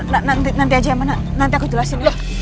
nanti aja emang nanti aku jelasin